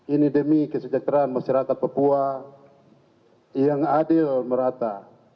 ini demi kesejahteraan masyarakat papua yang adil merata